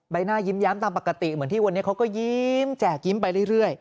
หน้ายิ้มแย้มตามปกติเหมือนที่วันนี้เขาก็ยิ้มแจกยิ้มไปเรื่อย